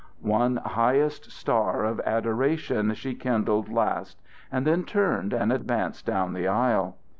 One highest star of adoration she kindled last, and then turned and advanced down the aisle.